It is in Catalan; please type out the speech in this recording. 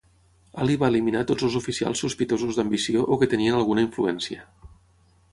Ali va eliminar tots els oficials sospitosos d'ambició o que tenien alguna influència.